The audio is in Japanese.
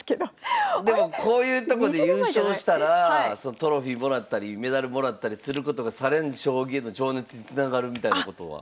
でもこういうとこで優勝したらトロフィーもらったりメダルもらったりすることが更に将棋への情熱につながるみたいなことは。